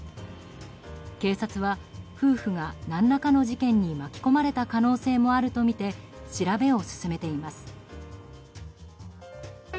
警察は、夫婦が何らかの事件に巻き込まれた可能性もあるとみて調べを進めています。